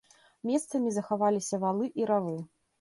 Месцамі захаваліся валы і равы.